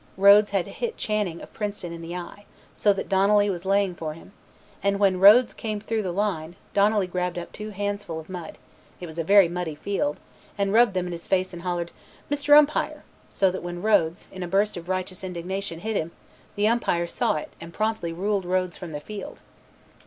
Rhodes had hit Channing of Princeton in the eye, so that Donnelly was laying for him, and when Rhodes came through the line, Donnelly grabbed up two handsful of mud it was a very muddy field and rubbed them in his face and hollered, "Mr. Umpire," so that when Rhodes, in a burst of righteous indignation, hit him, the Umpire saw it and promptly ruled Rhodes from the field.